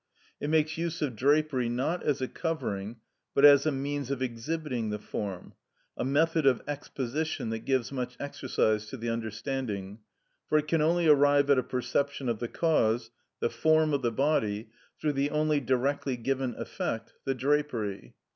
It makes use of drapery, not as a covering, but as a means of exhibiting the form, a method of exposition that gives much exercise to the understanding, for it can only arrive at a perception of the cause, the form of the body, through the only directly given effect, the drapery.